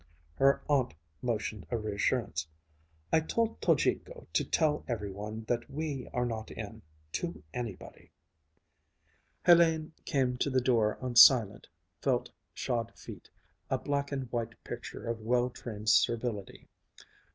Her aunt motioned a reassurance. "I told Tojiko to tell every one that we are not in to anybody." Hélène came to the door on silent, felt shod feet, a black and white picture of well trained servility.